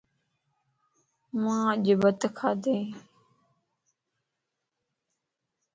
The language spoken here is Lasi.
مان اڃ بت کادينيَ